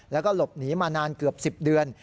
แล้วก็หลบหนีมานานเกือบ๑๐เดือน